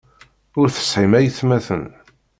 Ur tesɛim aytmaten.